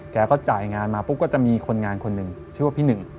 แกก็จ่ายงานมาปุ๊บก็จะมีคนงานคนหนึ่งชื่อว่าพี่หนึ่ง